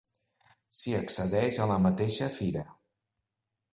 S'hi accedeix a la mateixa Fira.